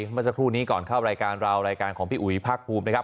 เมื่อสักครู่นี้ก่อนเข้ารายการเรารายการของพี่อุ๋ยภาคภูมินะครับ